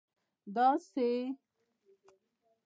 داسي